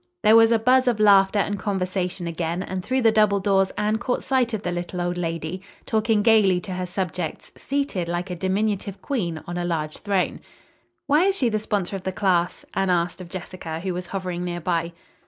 There was a buzz of laughter and conversation again, and through the double doors Anne caught sight of the little old lady, talking gayly to her subjects, seated, like a diminutive queen, on a large throne. "Why is she the sponsor of the class?" Anne asked of Jessica, who was hovering near by.